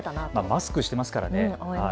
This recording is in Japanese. マスクしてますからね。